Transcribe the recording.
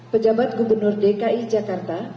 pejabat gubernur dki jakarta